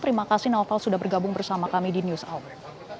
terima kasih noval sudah bergabung bersama kami di news hour